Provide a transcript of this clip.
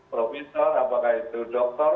profesor apakah itu doktor